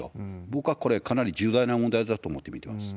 僕はこれ、かなり重大な問題だと思って見てます。